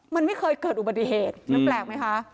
มันไม่เคยเกิดอุบัติเหตุมันแปลกไหมคะ